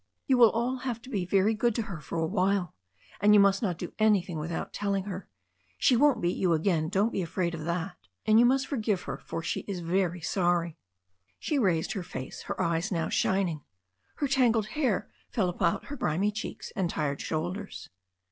We will all have to be very good to her for a while, and you must not do an)rthing without telling her. She won't beat you again. Don't be afraid of that. And you must forgive her, for she is very sorry." She raised her face, her eyes now shining. Her tangled hair fell about her grimy cheeks and tired shoulders.